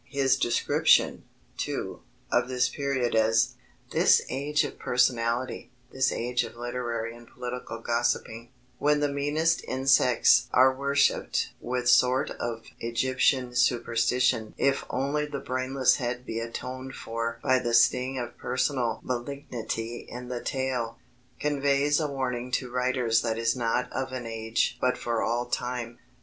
His description, too, of his period as "this age of personality, this age of literary and political gossiping, when the meanest insects are worshipped with sort of Egyptian superstition if only the brainless head be atoned for by the sting of personal malignity in the tail," conveys a warning to writers that is not of an age but for all time.